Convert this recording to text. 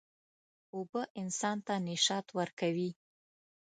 اوبه انسان ته نشاط ورکوي.